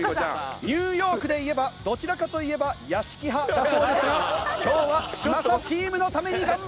ニューヨークでいえばどちらかといえば屋敷派だそうですが今日は嶋佐チームのために頑張ります！